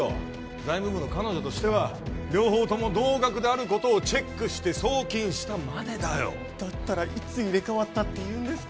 財務部の彼女としては両方とも同額であることをチェックして送金したまでだよだったらいつ入れ代わったっていうんですか？